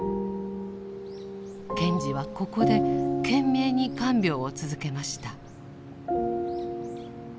賢治はここで懸命に看病を続けました。